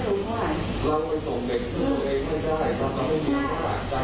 อเจมส์เราไปส่งเด็กขึ้นตัวเองไม่ได้ถ้าจะไม่มีประการถ้าจะเอาเด็กออกโรงเรียนไปโรงพยาบาล